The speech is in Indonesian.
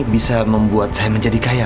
bisa membuat saya menjadi kaya